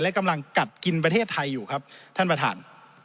และกำลังกัดกินประเทศไทยอยู่ครับท่านประธาน